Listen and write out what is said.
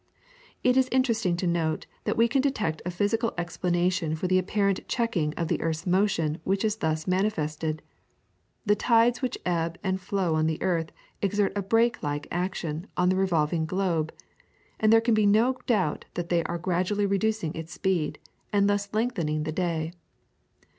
It is interesting to note that we can detect a physical explanation for the apparent checking of the earth's motion which is thus manifested. The tides which ebb and flow on the earth exert a brake like action on the revolving globe, and there can be no doubt that they are gradually reducing its speed, and thus lengthening the day.